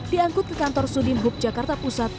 diangkut ke kantor sudimbub jakarta pusat